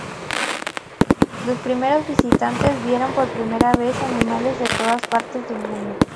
Los primeros visitantes vieron por primera vez animales de todas partes del mundo.